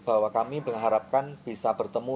bahwa kami mengharapkan bisa bertemu